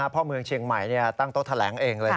เพราะเมืองเชียงใหม่ตั้งโต๊ะแถลงเอง